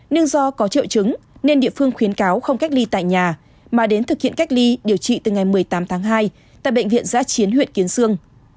nhưng do có triệu chứng nên địa phương khuyến cáo không cách ly tại nhà mà đến thực hiện cách ly điều trị từ ngày một mươi tám tháng hai tại bệnh viện giã chiến huyện kiến sương